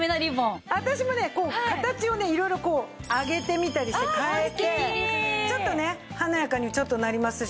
私もね形を色々こう上げてみたりして変えてちょっとね華やかにちょっとなりますし。